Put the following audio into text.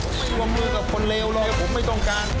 ผมไม่รวมมือกับคนเลวเลยผมไม่ต้องการ